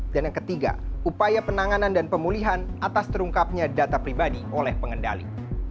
dan yang ketiga upaya penanganan dan pemulihan atas terungkapnya data pribadi oleh pengendali